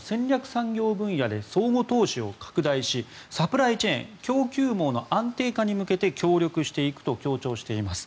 産業分野で相互投資を拡大しサプライチェーン、供給網の安定化に向けて協力していくと強調しています。